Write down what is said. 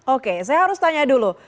oke saya harus tanya dulu